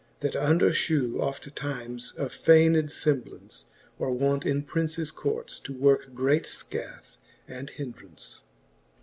That under fhew oftimes of fayned femblance. Are wont in Princes courts to worke great fcath and hindrance.